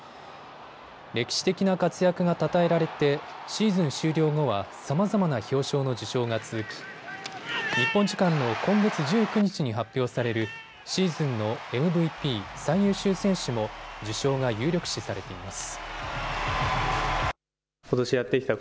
歴史的な活躍がたたえられてシーズン終了後はさまざまな表彰の受賞が続き日本時間の今月１９日に発表されるシーズンのＭＶＰ・最優秀選手も受賞が有力視されています。